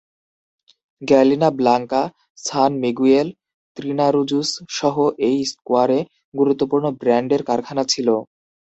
গ্যালিনা Blanca, San Miguel, ত্রিনারুজুস সহ এই স্কোয়ারে গুরুত্বপূর্ণ ব্রান্ডের কারখানা ছিল...